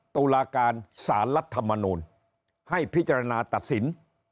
ตุลาการสารรัฐมนูลให้พิจารณาตัดสิน